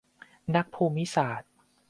นักภูมิศาสตร์